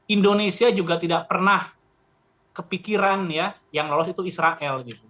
indonesia juga tidak pernah kepikiran yang lolos itu israel